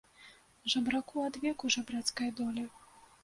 Жабраку адвеку жабрацкая доля.